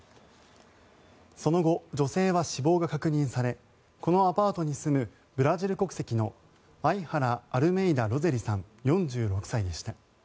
その後、女性は死亡が確認されこのアパートに住むブラジル国籍のアイハラ・アルメイダ・ロゼリさん、４６歳でした。